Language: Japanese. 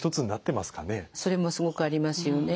それもすごくありますよね。